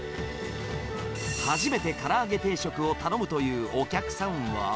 初めてから揚げ定食を頼むというお客さんは。